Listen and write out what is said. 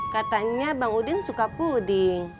katanya bang udin suka puding